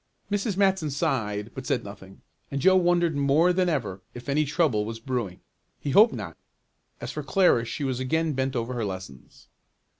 Mrs. Matson sighed but said nothing, and Joe wondered more than ever if any trouble was brewing. He hoped not. As for Clara she was again bent over her lessons.